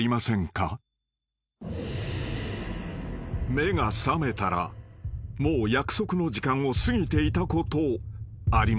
［目が覚めたらもう約束の時間を過ぎていたことありませんか？］